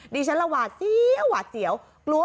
ดีชั้นระหว่าสี้หว่าเสียว